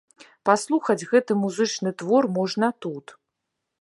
Паслухаць гэты музычны твор можна тут.